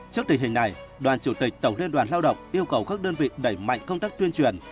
trước tình hình này đoàn chủ tịch tổng liên đoàn lao động yêu cầu các đơn vị đẩy mạnh công tác tuyên truyền